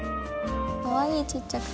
かわいいちっちゃくて。